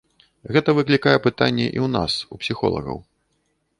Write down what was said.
Гэта выклікае пытанне і ў нас, у псіхолагаў.